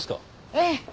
ええ。